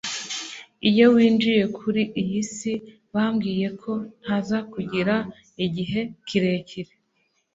iyo winjiye kuri iyi si bambwiye ko ntazakugira igihe kirekire